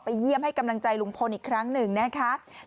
เยี่ยมให้กำลังใจลุงพลอีกครั้งหนึ่งนะคะ